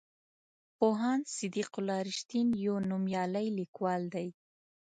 پوهاند صدیق الله رښتین یو نومیالی لیکوال دی.